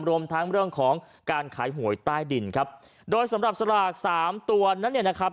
รวมทั้งเรื่องของการขายหวยใต้ดินครับโดยสำหรับสลากสามตัวนั้นเนี่ยนะครับ